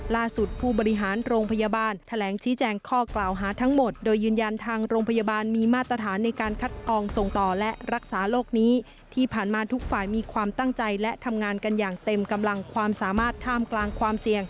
ผู้บริหารโรงพยาบาลแถลงชี้แจงข้อกล่าวหาทั้งหมดโดยยืนยันทางโรงพยาบาลมีมาตรฐานในการคัดกรองส่งต่อและรักษาโรคนี้ที่ผ่านมาทุกฝ่ายมีความตั้งใจและทำงานกันอย่างเต็มกำลังความสามารถท่ามกลางความเสี่ยง